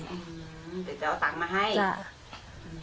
แต่จะเอาตังค์มาให้